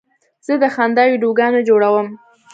زه د خندا ویډیوګانې جوړوم.